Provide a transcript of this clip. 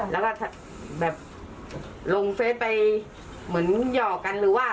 แล้วก็แบบลงเฟสไปเหมือนหยอกกันหรือว่า